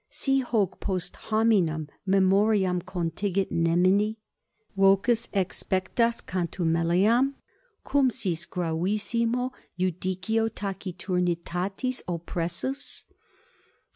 Si hoc post hominum memoriam contigit nemini, vocis exspectas contumeliam, cum sis gravissimo iudicio taciturnitatis oppressus?